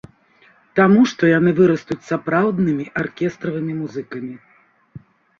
Таму што яны вырастуць сапраўднымі аркестравымі музыкамі.